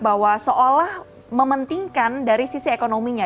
bahwa seolah mementingkan dari sisi ekonominya